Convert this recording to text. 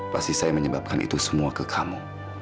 pasti saya menyebabkan itu semua ke kamu